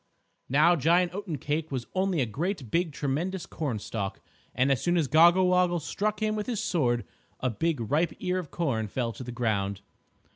Now Giant Oatencake was only a great big tremendous cornstalk, and as soon as Goggle Woggle struck him with his sword, a big ripe ear of corn fell to the ground.